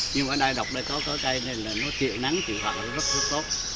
nhưng mà đại độc đây có cây nên là nó chịu nắng chịu hạ rất rất tốt